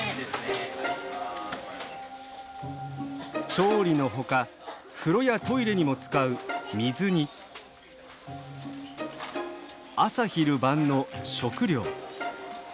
調理の他風呂やトイレにも使う水に朝昼晩の食料。